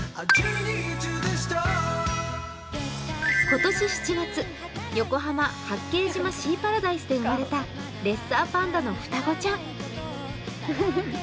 今年７月、横浜・八景島シーパラダイスで生まれたレッサーパンダの双子ちゃん。